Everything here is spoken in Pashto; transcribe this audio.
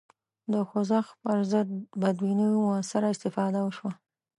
د خوځښت پر ضد بدبینیو موثره استفاده وشوه